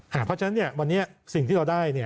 เพราะฉะนั้นวันนี้สิ่งที่เราได้